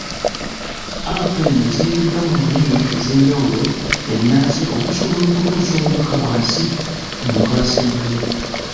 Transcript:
Apu eno ezimbiddwa mu nnimi ez'enjawulo ennansi okusobola okutuusa obubaka wansi ku muntu asembayo.